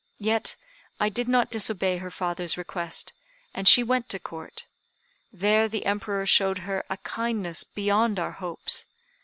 Yet, I did not disobey her father's request, and she went to Court. There the Emperor showed her a kindness beyond our hopes.